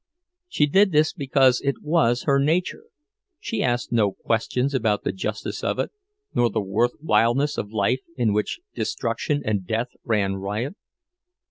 She did this because it was her nature—she asked no questions about the justice of it, nor the worth whileness of life in which destruction and death ran riot.